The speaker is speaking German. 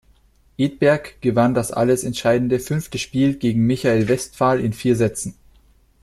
Edberg gewann das alles entscheidende fünfte Spiel gegen Michael Westphal in vier Sätzen.